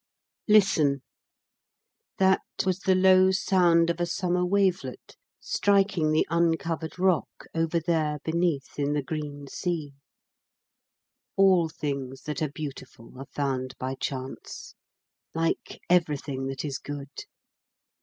Listen! that was the low sound of a summer wavelet striking the uncovered rock over there beneath in the green sea. All things that are beautiful are found by chance, like everything that is good.